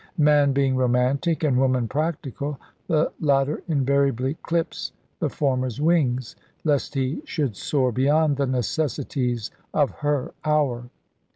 Man being romantic, and woman practical, the latter invariably clips the former's wings, lest he should soar beyond the necessities of her hour.